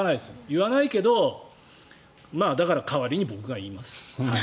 言わないけどだから、代わりに僕が言います。